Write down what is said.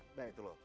nah itu loh